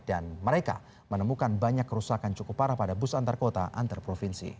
dan mereka menemukan banyak kerusakan cukup parah pada bus antarkota antarprovinsi